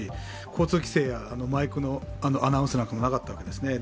交通規制やマイクのアナウンスなどもなかったわけですね。